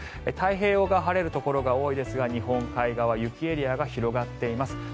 太平洋側晴れるところが多いですが日本海側雪エリアが広がっています。